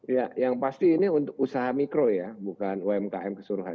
ya yang pasti ini untuk usaha mikro ya bukan umkm keseluruhan